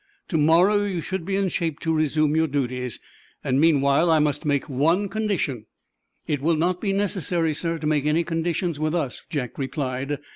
To morrow you should be in shape to resume your duties. Meanwhile, I must make one condition." "It will not be necessary, sir, to make any conditions with us," Jack replied.